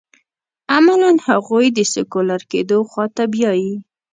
عملاً هغوی د سیکولر کېدو خوا ته بیايي.